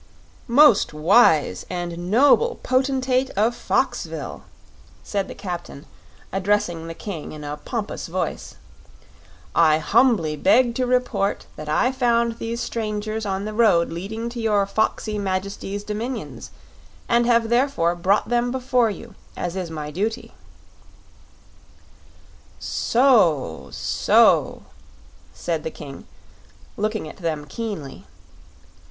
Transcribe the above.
"Most wise and noble Potentate of Foxville," said the captain, addressing the King in a pompous voice, "I humbly beg to report that I found these strangers on the road leading to your Foxy Majesty's dominions, and have therefore brought them before you, as is my duty." "So so," said the King, looking at them keenly.